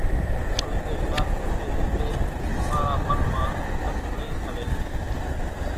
پويتر شاستر ني لِيڌي امارا من مان ڪٽَ نئِي سڙي